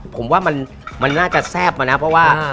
ผมว่ามันน่าจะแซ่บมานะเพราะว่า